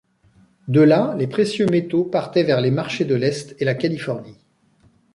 De là, les précieux métaux partaient vers les marchés de l'Est et la Californie.